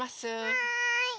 はい！